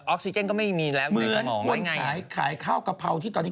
ซิเจนก็ไม่มีแล้วเหมือนคนขายขายข้าวกะเพราที่ตอนนี้